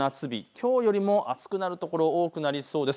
きょうよりも暑くなる所が多くなりそうです。